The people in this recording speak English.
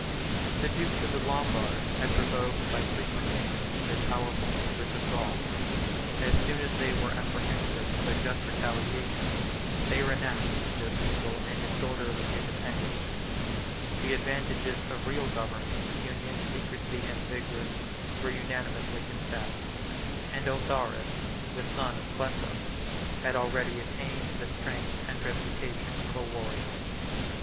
The dukes of the Lombards had provoked by frequent inroads their powerful neighbors of Gaul. As soon as they were apprehensive of a just retaliation, they renounced their feeble and disorderly independence: the advantages of real government, union, secrecy, and vigor, were unanimously confessed; and Autharis, the son of Clepho, had already attained the strength and reputation of a warrior.